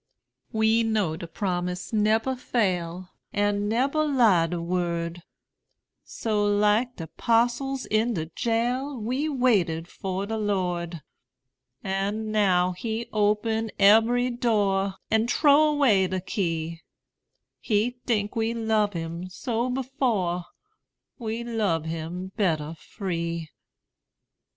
We know de promise nebber fail, An' nebber lie de Word; So, like de 'postles in de jail, We waited for de Lord: An' now he open ebery door, An' trow away de key; He tink we lub him so before, We lub him better free.